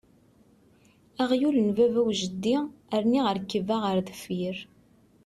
Aɣyul n baba u jeddi rniɣ rrekba ɣer deffier!